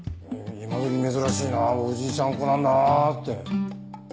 「今どき珍しいなおじいちゃん子なんだな」って。